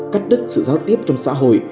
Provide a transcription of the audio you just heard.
cắt đứt sự giao tiếp trong xã hội